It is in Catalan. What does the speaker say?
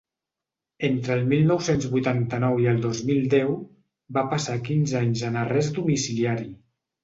Entre el mil nou-cents vuitanta-nou i el dos mil deu, va passar quinze anys en arrest domiciliari.